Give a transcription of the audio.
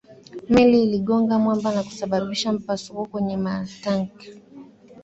meli iligonga mwamba na kusababisha mpasuko kwenye matanki